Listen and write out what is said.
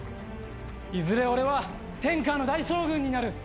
いずれ俺は天下の大将軍になる。